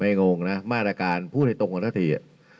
ไม่งงนะมาตรการพูดถูกกับหน้าที